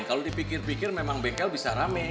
kalau dipikir pikir memang bengkel bisa rame